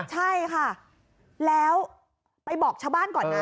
ใช่ค่ะแล้วไปบอกชาวบ้านก่อนนะ